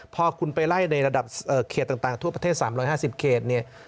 พอคุณไปไล่ในระดับเครตต่างทั่วประเทศ๓๕๐เครต